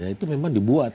itu memang dibuat